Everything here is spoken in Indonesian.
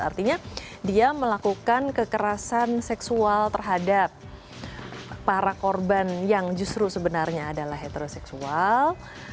artinya dia melakukan kekerasan seksual terhadap para korban yang justru sebenarnya adalah heteroseksual